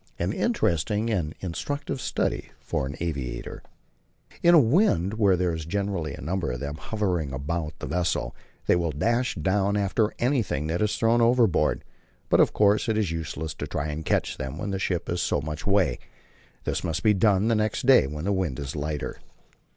An interesting and instructive study for an aviator. In a wind, when there is generally a number of them hovering about the vessel, they will dash down after anything that is thrown overboard; but of course it is useless to try to catch them when the ship has so much way. This must be done the next day, when the wind is lighter.